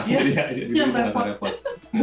ya ya ya di rumah sangat repot